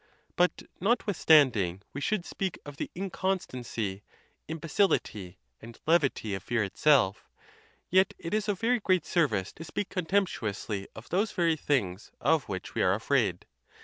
But, notwithstanding we should speak of the inconstancy, im ' becility, and levity of fear itself, yet it is of very great service to speak contemptuously of those very things of which we are afraid.